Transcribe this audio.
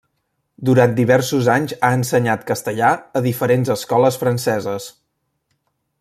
Durant diversos anys ha ensenyat castellà a diferents escoles franceses.